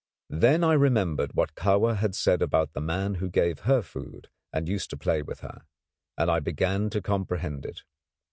Then I remembered what Kahwa had said about the man who gave her food and used to play with her, and I began to comprehend it.